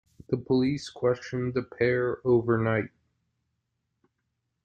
The police questioned the pair overnight